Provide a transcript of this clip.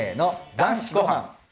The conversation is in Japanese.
『男子ごはん』。